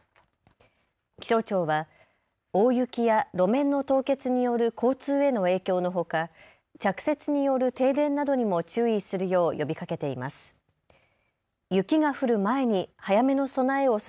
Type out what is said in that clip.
気象庁は大雪や路面の凍結による交通への影響のほか、着雪による停電などにも注意するよう呼びかけています。